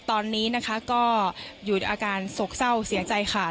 ตอนนี้นะคะก็หยุดอาการโศกเศร้าเสียใจค่ะ